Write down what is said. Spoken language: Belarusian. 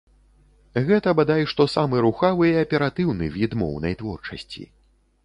Гэта бадай што самы рухавы і аператыўны від моўнай творчасці.